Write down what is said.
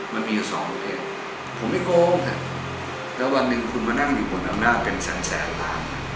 มันมีสองลูกเอกผมไม่โกงแต่วันหนึ่งคุณมานั่งอยู่บนน้ำหน้าเป็นแสนแสนล้าน